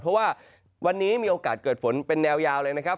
เพราะว่าวันนี้มีโอกาสเกิดฝนเป็นแนวยาวเลยนะครับ